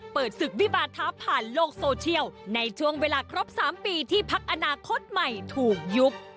เปิดศึกวิบาธาผ่านโลกโซเชียลในช่วงเวลาครบ๓ปีที่พักอนาคตใหม่ถูกยุบ